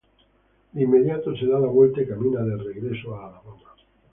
De inmediato se da la vuelta y camina de regreso a Alabama.